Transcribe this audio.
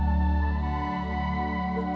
terima kasih ya allah